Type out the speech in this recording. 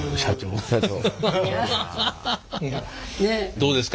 どうですか？